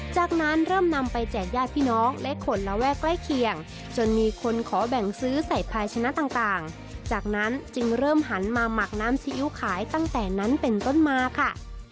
จากนั้นเริ่มนำไปแจกญาติพี่น้องและคนระแวกใกล้เคียงจนมีคนขอแบ่งซื้อใส่ภายชนะต่างจากนั้นจึงเริ่มหันมาหมักน้ำซีอิ๊วขายตั้งแต่นั้นเป็นต้นมาค่ะ